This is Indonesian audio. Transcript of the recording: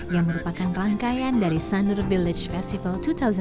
yang merupakan rangkaian dari sanur village festival dua ribu delapan belas